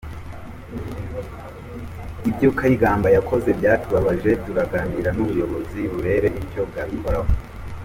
Ibyo Kayigamba yakoze byatubabaje turaganira n’ubuyobozi burebe icyo bwabikoraho”.